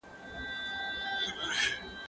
زه اوږده وخت سړو ته خواړه ورکوم!.